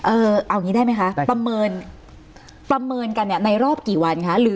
เอาอย่างนี้ได้ไหมคะประเมินกันในรอบกี่วันค่ะ